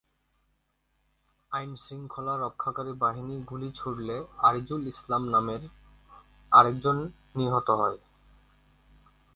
আইনশৃঙ্খলা রক্ষাকারী বাহিনী গুলি ছুড়লে আরিজুল ইসলাম নামের আরেকজন নিহত হয়।